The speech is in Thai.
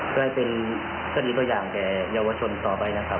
ก็ให้เป็นสฤทธิ์ตัวอย่างแก่เยาวชนต่อไปนะครับ